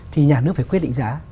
thì nhà nước phải quyết định giá